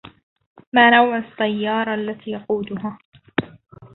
ما نوع السيارة التي يقودها؟